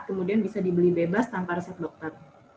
kemudian bisa dibeli bebas tanpa resep dokter